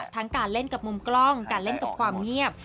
การเล่นกับมุมกล้องการเล่นกับความเงียบ